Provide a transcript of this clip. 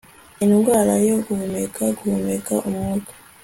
indwara yo guhumeka, guhumeka umwuka